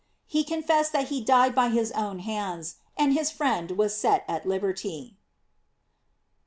He confessed that he died by his own hands, and his friend was set at liberty.* 27.